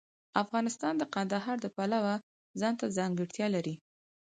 افغانستان د کندهار د پلوه ځانته ځانګړتیا لري.